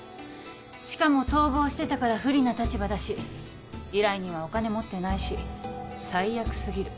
しかも逃亡してたから不利な立場だし依頼人はお金持ってないし最悪過ぎる。